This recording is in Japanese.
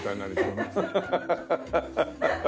ハハハハ。